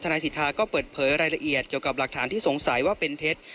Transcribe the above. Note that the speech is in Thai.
นายสิทธาก็เปิดเผยรายละเอียดเกี่ยวกับหลักฐานที่สงสัยว่าเป็นเท็จ